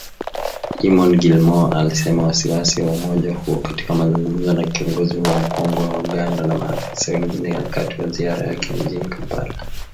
Eamon Gilmore alisema wasi-wasi wa umoja huo, katika mazungumzo na kiongozi huyo mkongwe wa Uganda na maafisa wengine wakati wa ziara yake mjini kampala